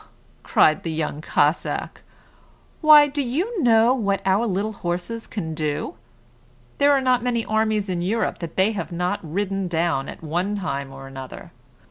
cried the young Cossack. "Why, do you know what our little horses can do? There are not many armies in Europe that they have not ridden down, at one time or another.